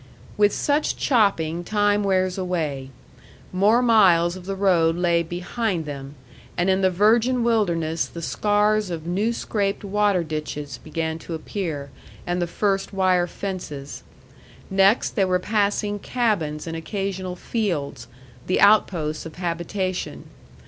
With such chopping time wears away. More miles of the road lay behind them, and in the virgin wilderness the scars of new scraped water ditches began to appear, and the first wire fences. Next, they were passing cabins and occasional fields, the outposts of habitation.